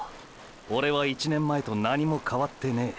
オレは１年前と何も変わってねぇ。